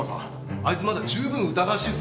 あいつまだ十分疑わしいっすよ。